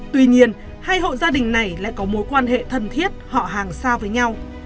tuy nhiên hai hộ gia đình này lại có mối quan hệ thân thiết họ hàng xa với nhau